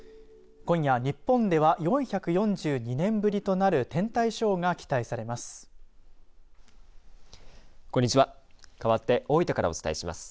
今夜日本では４４２年ぶりとなる天体ショーが期待されます。